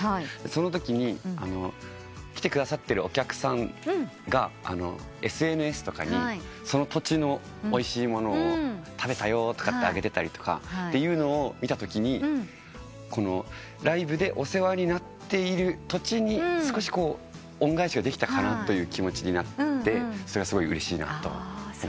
そのときに来てくださってるお客さんがＳＮＳとかにその土地のおいしいものを食べたよとかって上げてるのを見たときにライブでお世話になっている土地に少し恩返しができたかなという気持ちになってそれがすごいうれしいなと思ってます。